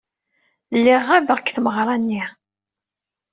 Lliɣ ɣabeɣ deg tmeɣra-nni.